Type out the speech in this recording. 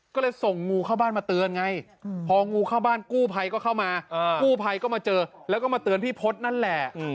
ก็เลยส่งงูเข้าบ้านมาเตือนไงพองูเข้าบ้านกู้ภัยก็เข้ามากู้ภัยก็มาเจอแล้วก็มาเตือนพี่พศนั่นแหละ